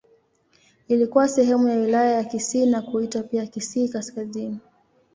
Ilikuwa sehemu ya Wilaya ya Kisii na kuitwa pia Kisii Kaskazini.